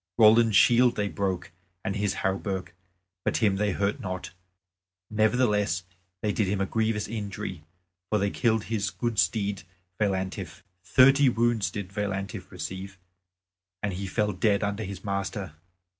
Roland's shield they broke and his hauberk; but him they hurt not; nevertheless they did him a grievous injury, for they killed his good steed Veillantif. Thirty wounds did Veillantif receive, and he fell dead under his master.